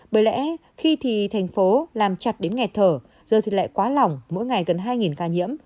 bởi lẽ khi thì thành phố làm chặt đến nghẹt thở giờ thì lại quá lỏng mỗi ngày gần hai ca nhiễm